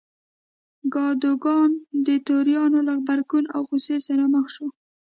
کادوګان د توریانو له غبرګون او غوسې سره مخ شو.